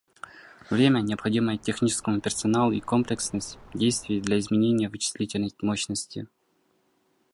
Время, необходимое техническому персоналу и комплексность действий для изменения вычислительной мощности